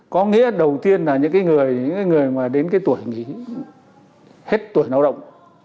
có nghĩa đầu tiên là những người đến cái tuổi hết tuổi lao động